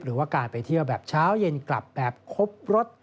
หรือว่าการไปเที่ยวแบบเช้าเย็นกลับแบบครบรถ